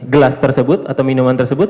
gelas tersebut atau minuman tersebut